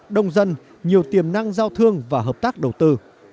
đông dân nhiều tiềm năng giao thương và hợp tác đầu tư